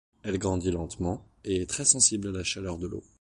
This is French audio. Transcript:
Elle grandit lentement et est très sensible à la chaleur de l'eau.